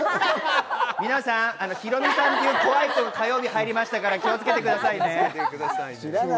皆さん、ヒロミさんという怖い人が火曜日に入りましたから気をつけてくださいね。